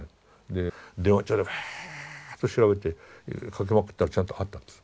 で電話帳でバーッと調べてかけまくったらちゃんとあったんです。